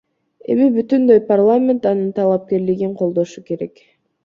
Эми бүтүндөй парламент анын талапкерлигин колдошу керек.